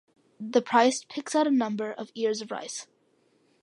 The priest picks out a number of ears of rice.